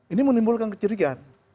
ini menimbulkan kejurigaan